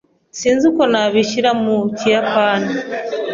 Sinzi uko nabishyira mu Kiyapani.